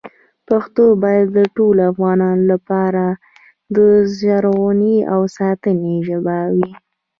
پښتو باید د ټولو افغانانو لپاره د ژغورنې او ساتنې ژبه وي.